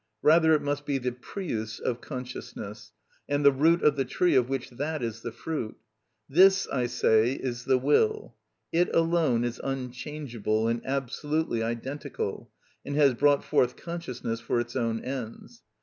Rather it must be the prius of consciousness, and the root of the tree of which that is the fruit. This, I say, is the will. It alone is unchangeable and absolutely identical, and has brought forth consciousness for its own ends.